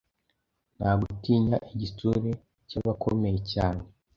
nta gutinya igitsure cy‟abakomeye cyane